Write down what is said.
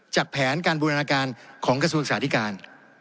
จากแผนการบูรณาการของกสุทธิการ